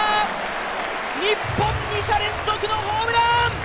日本、２者連続のホームラン。